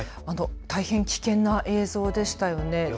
大変、危険な映像でしたよね。